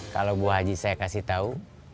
kalau bu haji saya kasih tahu